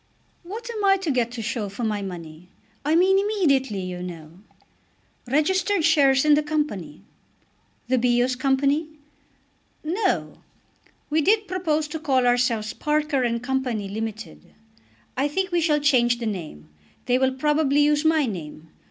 "What am I to get to show for my money; I mean immediately, you know?" "Registered shares in the Company." "The Bios Company?" "No; we did propose to call ourselves Parker and Co., limited. I think we shall change the name. They will probably use my name.